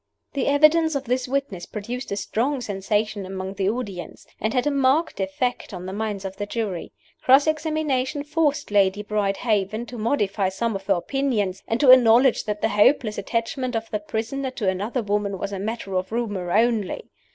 The evidence of this witness produced a strong sensation among the audience, and had a marked effect on the minds of the jury. Cross examination forced Lady Brydehaven to modify some of her opinions, and to acknowledge that the hopeless attachment of the prisoner to another woman was a matter of rumor only.